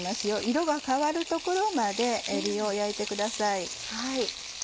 色が変わるところまでえびを焼いてください。